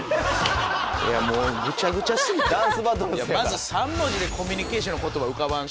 まず３文字でコミュニケーションの言葉浮かばんし。